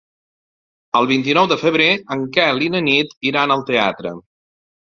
El vint-i-nou de febrer en Quel i na Nit iran al teatre.